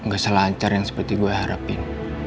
gak selancar yang seperti gue harapin